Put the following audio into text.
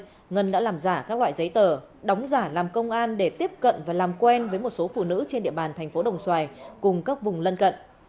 hôm nay ngân đã làm giả các loại giấy tờ đóng giả làm công an để tiếp cận và làm quen với một số phụ nữ trên địa bàn tp đồng xoài cùng các vùng lân cận